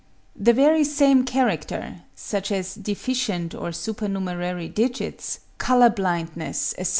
The very same character, such as deficient or supernumerary digits, colour blindness, etc.